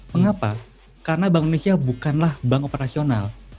mengapa karena bank indonesia bukanlah bank operasional